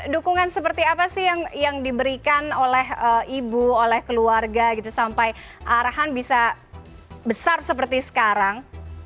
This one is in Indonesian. dukungan seperti apa sih yang diberikan oleh ibu oleh keluarga gitu sampai arahan bisa besar seperti sekarang